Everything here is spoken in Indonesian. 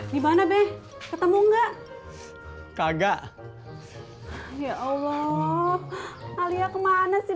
gimana deh ketemu enggak kagak ya allah alia kemana sih